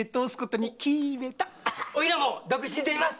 おいらも独身でいます！